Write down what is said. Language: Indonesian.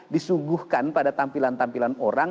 disuguhkan pada tampilan tampilan orang